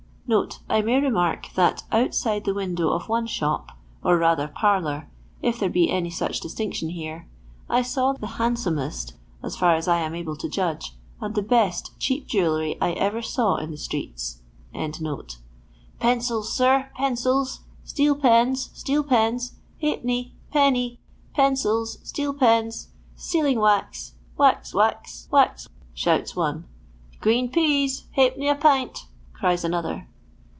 ri may remark that outside the window of one shop, or rather parlour, if there be any such distinction here, I saw the handsomest, as far as I am able to judge, nnd the best cheap jewellery I ever saw in the streets.] Pencils, sir, pencils ; steel pens, steelpcns ; ha'penny, penny ; pencils, steel pens ; sealing wax, wax, wnx, wax !" shouts one, " Qreen peas, ha'penny a pint !" cries another.